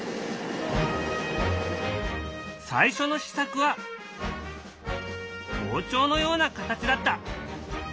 最初の試作は包丁のような形だった。